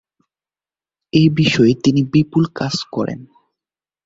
এ বিষয়ে তিনি বিপুল কাজ করেন।